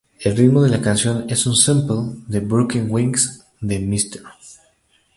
El ritmo de la canción es un sample de "Broken Wings" de Mr.